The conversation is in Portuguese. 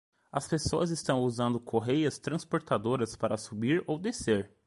As pessoas estão usando correias transportadoras para subir ou descer.